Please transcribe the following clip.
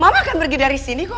mama akan pergi dari sini kok